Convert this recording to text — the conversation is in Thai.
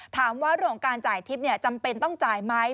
ถามว่าร่วมการจ่ายทิพย์จำเป็นต้องจ่ายไหม